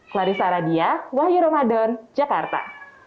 clarissa radia wahyu ramadan jakarta